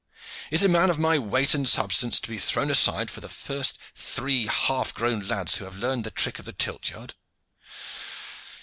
Is a man of my weight and substance to be thrown aside for the first three half grown lads who have learned the trick of the tilt yard?